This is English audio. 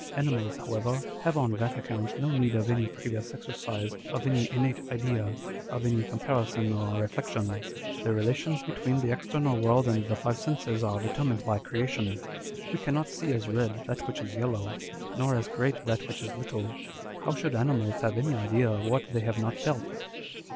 Animals however have, on that account, no need of any previous exercise, of any innate idea, of any comparison or reflection. The relations between the external world and the five senses arc deter o 2 196 On Dr. Spurzheims Theory. mined by creation. We cannot see as red that which is yellow, nor as great that which is little. How should animals have any idea of what they have not felt